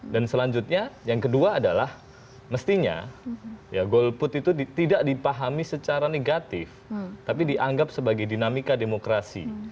dan selanjutnya yang kedua adalah mestinya golput itu tidak dipahami secara negatif tapi dianggap sebagai dinamika demokrasi